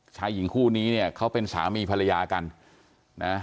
ชายหญิงคู่นี้เนี่ยเขาเป็นสามีภรรยากันนะ